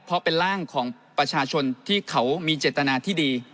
เพราะเป็นร่างของประชาชนที่เขามีเจตนาที่ดี